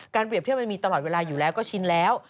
เปรียบเทียบมันมีตลอดเวลาอยู่แล้วก็ชินแล้ว